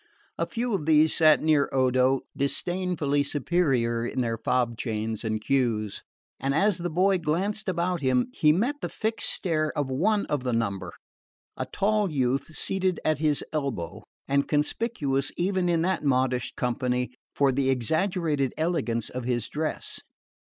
A few of these sat near Odo, disdainfully superior in their fob chains and queues; and as the boy glanced about him he met the fixed stare of one of the number, a tall youth seated at his elbow, and conspicuous, even in that modish company, for the exaggerated elegance of his dress.